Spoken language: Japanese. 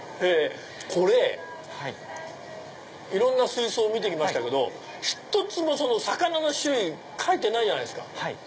これいろんな水槽見てきましたけど一つも魚の種類書いてないじゃないですか。